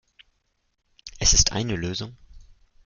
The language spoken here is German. Es ist eine Lösung.